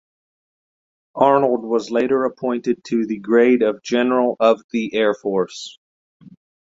Arnold was later appointed to the grade of General of the Air Force.